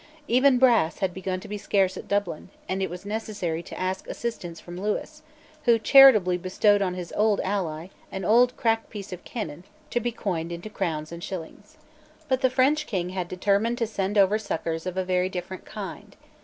Even brass had begun to be scarce at Dublin; and it was necessary to ask assistance from Lewis, who charitably bestowed on his ally an old cracked piece of cannon to be coined into crowns and shillings, But the French king had determined to send over succours of a very different kind.